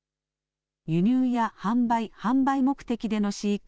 輸入や販売、販売目的での飼育